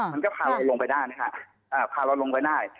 มันก็พาเราลงไปได้นะฮะพาเราลงไปได้